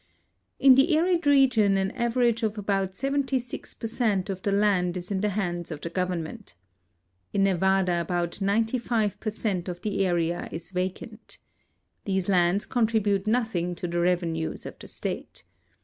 In the arid region an average of about 76 per cent of the land is in the hands of the government. In Nevada about 95 per cent of the area is vacant. These lands contribute nothing to the revenues of the state.